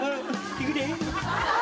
行くで。